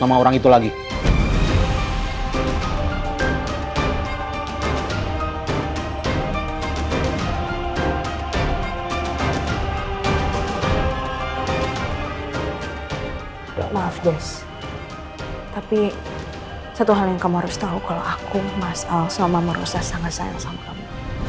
maaf guys tapi satu hal yang kamu harus tahu kalau aku mas al sama marosa sangat sayang sama kamu